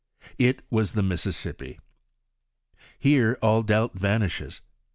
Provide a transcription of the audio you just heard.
It was the Mississippi. Here all doubt vanishes.